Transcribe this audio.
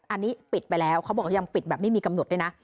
อันนี้ปิดไปแล้วเขาบอกว่ายังปิดแบบไม่มีกำหนดด้วยนะ